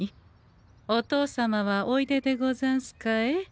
お父様はおいででござんすかえ？